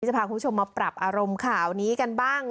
จะพาคุณผู้ชมมาปรับอารมณ์ข่าวนี้กันบ้าง